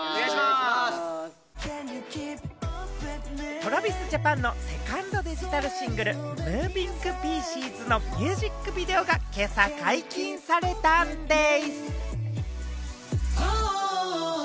ＴｒａｖｉｓＪａｐａｎのセカンドデジタルシングル『ＭｏｖｉｎｇＰｉｅｃｅｓ』のミュージックビデオが今朝、解禁されたんでぃす！